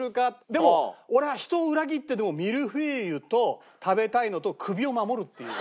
でも俺は人を裏切ってでもミルフィーユを食べたいのと首を守るっていう。